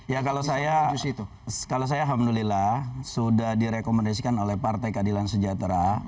ya kalau saya alhamdulillah sudah direkomendasikan oleh partai keadilan sejahtera